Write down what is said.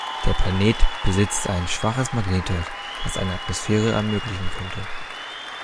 Der Planet besitzt ein schwaches Magnetfeld, was eine Atmosphäre ermöglichen könnte.